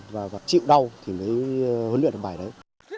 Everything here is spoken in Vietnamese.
và chịu đau thì mới huấn luyện bài đấy